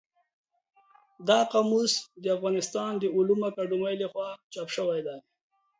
دا قاموس د افغانستان د علومو اکاډمۍ له خوا چاپ شوی دی.